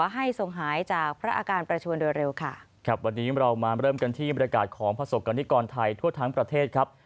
ให้ส่งหายจากพระอาการประชวนโดยเร็วค่ะครับวันนี้เรามาเริ่มกันที่บริการของประสบกรณิกรไทยทั่วทั้งประเทศครับ